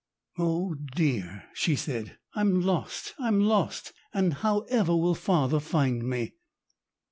"Oh dear!" she said, "I'm lost, I'm lost! and how ever will father find me?"